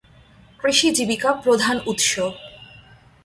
কৃষি জীবিকা প্রধান উৎস।